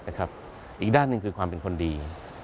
อีกด้านหนึ่งคือความเป็นคนดี